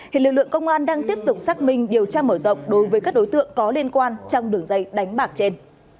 hiện lực lượng công an đang tiếp tục xác minh điều tra mở rộng đối với các đối tượng có liên quan trong đường dây đánh bạc trên